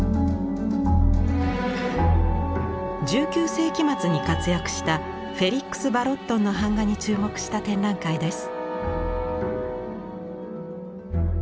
１９世紀末に活躍したフェリックス・ヴァロットンの版画に注目した展覧会です。